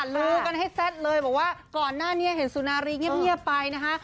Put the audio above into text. ลือกันให้แซ่ดเลยบอกว่าก่อนหน้านี้เห็นสุนารีเงียบไปนะคะ